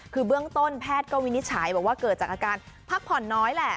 คือเบื้องต้นแพทย์ก็วินิจฉัยบอกว่าเกิดจากอาการพักผ่อนน้อยแหละ